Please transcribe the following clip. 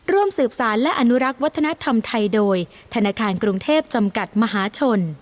ร่วมสืบสารและอนุรักษ์วัฒนธรรมไทยโดยธนาคารกรุงเทพจำกัดมหาชน